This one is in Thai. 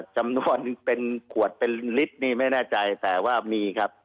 จำนวนเป็นขวดเป็นลิตรนี่ไม่แน่ใจแต่ว่ามีครับ